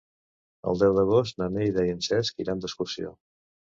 El deu d'agost na Neida i en Cesc iran d'excursió.